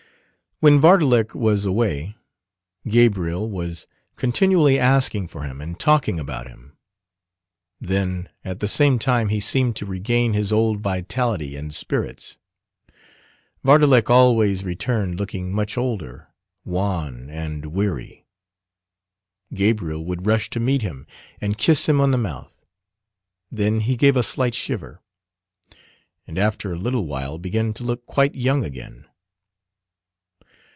When Vardalek was away, Gabriel was continually asking for him and talking about him. Then at the same time he seemed to regain his old vitality and spirits. Vardalek always returned looking much older, wan, and weary. Gabriel would rush to meet him, and kiss him on the mouth. Then he gave a slight shiver: and after a little while began to look quite young again.